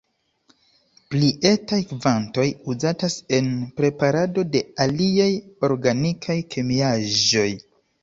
Pli etaj kvantoj uzatas en preparado de aliaj organikaj kemiaĵoj.